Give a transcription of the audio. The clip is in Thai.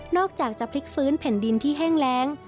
อกจากจะพลิกฟื้นแผ่นดินที่แห้งแรง